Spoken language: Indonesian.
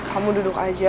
kamu duduk aja